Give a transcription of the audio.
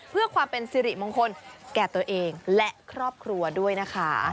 เพื่อความเป็นสิริมงคลแก่ตัวเองและครอบครัวด้วยนะคะ